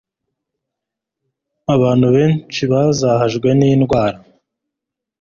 abantu benshi bazahajwe n'indwara